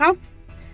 tùng mới bật khóc